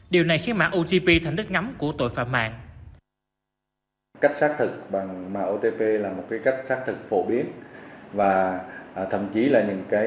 điều này khiến mã otp thành đích ngắm của tội phạm mạng